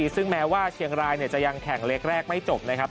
ซึ่งแม้ว่าเชียงรายจะยังแข่งเล็กแรกไม่จบนะครับ